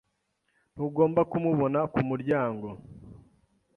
Ntugomba kumubona kumuryango.